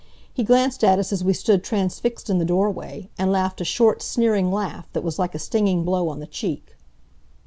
He glanced at us as we stood transfixed in the doorway, and laughed a short, sneering laugh that was like a stinging blow on the cheek.